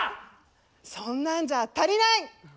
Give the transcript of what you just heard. そんなんじゃ足りない！